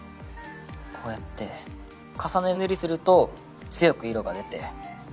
こうやって重ね塗りすると強く色が出て。